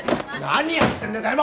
何やってんだよ